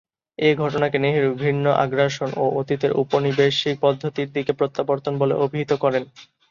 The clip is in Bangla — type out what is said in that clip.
এ ঘটনাকে নেহেরু ‘ঘৃণ্য আগ্রাসন’ ও ‘অতীতের উপনিবেশিক পদ্ধতির দিকে প্রত্যাবর্তন’ বলে অভিহিত করেন।